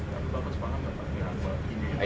tapi bapak sepaham bapak